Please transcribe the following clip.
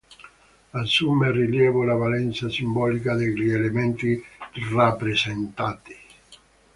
Assume rilievo la valenza simbolica degli elementi rappresentati.